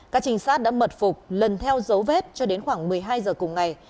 các trình sát đã mật phục lần theo dấu vết cho đến khoảng một mươi hai h cùng ngày